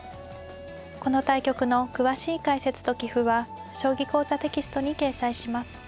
この対局の詳しい解説と棋譜は「将棋講座」テキストに掲載します。